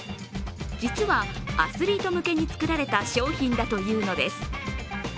実はアスリート向けに作られた商品だというのです。